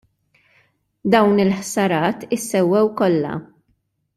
Dawn il-ħsarat issewwew kollha.